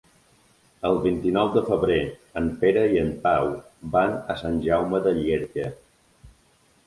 El vint-i-nou de febrer en Pere i en Pau van a Sant Jaume de Llierca.